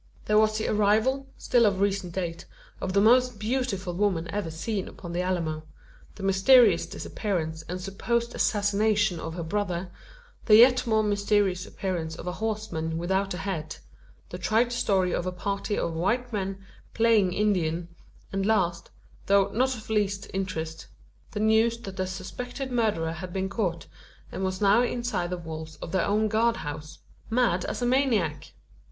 There was the arrival, still of recent date, of the most beautiful woman ever seen upon the Alamo; the mysterious disappearance and supposed assassination of her brother; the yet more mysterious appearance of a horseman without a head; the trite story of a party of white men "playing Indian"; and last, though not of least interest, the news that the suspected murderer had been caught, and was now inside the walls of their own guardhouse mad as a maniac!